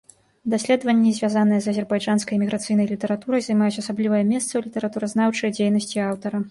Даследаванні, звязаныя з азербайджанскай эміграцыйнай літаратурай, займаюць асаблівае месца ў літаратуразнаўчай дзейнасці аўтара.